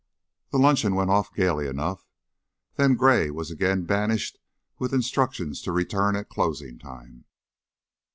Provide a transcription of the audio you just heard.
The luncheon went off gaily enough, then Gray was again banished with instructions to return at closing time.